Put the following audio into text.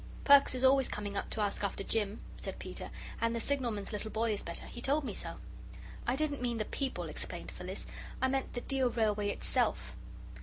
"Perks is always coming up to ask after Jim," said Peter, "and the signalman's little boy is better. He told me so." "I didn't mean the people," explained Phyllis; "I meant the dear Railway itself."